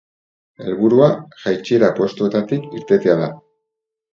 Helburua jaitsiera postuetatik irtetea da.